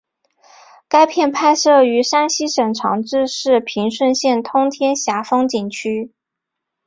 该片拍摄于山西省长治市平顺县通天峡风景区。